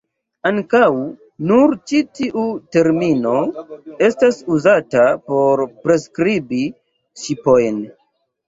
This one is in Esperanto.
Ankaŭ nur ĉi tiu termino estas uzata por priskribi ŝipojn.